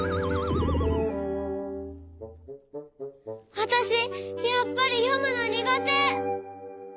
わたしやっぱりよむのにがて。